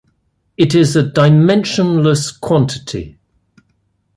It is a dimensionless quantity.